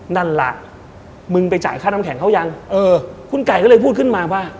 นั่นแหละมึงไปจ่ายค่าน้ำแข็งเขายังเออคุณไก่ก็เลยพูดขึ้นมาว่า